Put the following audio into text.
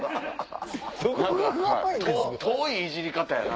遠いイジり方やな。